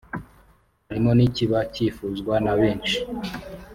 harimo n’ikiba cyifuzwa na benshi